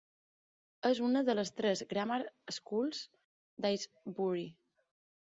És una de les tres "grammar schools" d'Aysbury.